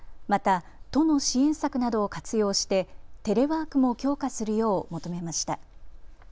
また、都の支援策などを活用してテレワークも強化するよう求めました。